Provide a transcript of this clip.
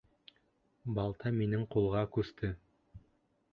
Балта минең ҡулға күсте.